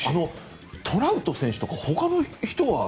トラウト選手とか他の人は。